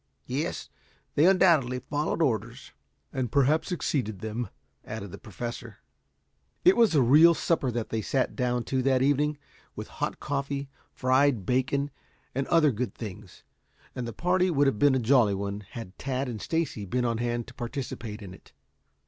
"Yes, they undoubtedly followed orders." "And perhaps exceeded them," added the Professor. It was a real supper that they sat down to that evening, with hot coffee, fried bacon and other good things, and the party would have been a jolly one had Tad and Stacy been on hand to participate in it.